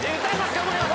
頑張ります！